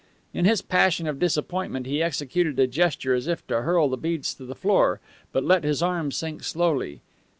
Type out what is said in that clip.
In his passion of disappointment he executed a gesture as if to hurl the beads to the floor, but let his arm sink slowly.